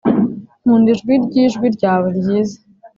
nkunda ijwi ryijwi ryawe ryiza